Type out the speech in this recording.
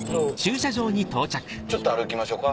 ちょっと歩きましょうか。